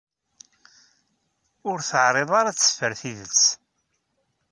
Ur teɛriḍ ara ad teffer tidet.